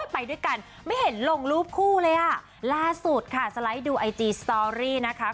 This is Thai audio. ไปด้วยกันไม่เห็นลงรูปคู่เลยอ่ะล่าสุดค่ะสไลด์ดูไอจีสตอรี่นะคะ